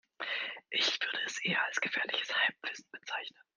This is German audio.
Ich würde es eher als gefährliches Halbwissen bezeichnen.